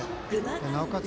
なおかつ